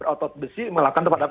otot besi melakukan tempatan